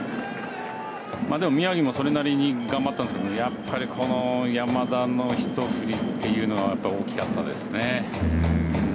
でも宮城もそれなり頑張ったんですけどやっぱり山田の一振りというのは大きかったですね。